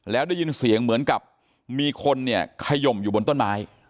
แล้วได้ยินเสียงเหมือนกับมีคนเนี่ยขยมอยู่บนต้นไม้